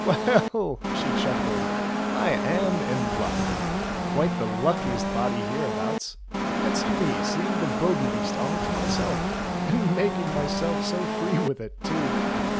"Well !" she chuckled, "I am in luck ! Quite the luckiest body hereabouts. Fancy my seeing the Bogey Beast all to myself ; and making myself so free with it too